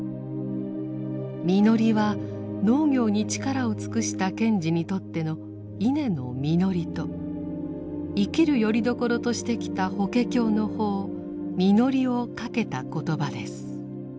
「みのり」は農業に力を尽くした賢治にとっての稲の「実り」と生きるよりどころとしてきた法華経の法「御法」をかけた言葉です。